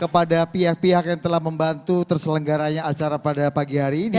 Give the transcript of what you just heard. kepada pihak pihak yang telah membantu terselenggaranya acara pada pagi hari ini